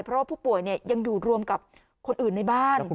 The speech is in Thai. เพราะว่าผู้ป่วยยังอยู่รวมกับคนอื่นในบ้าน